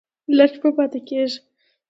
لټ مه پاته کیږئ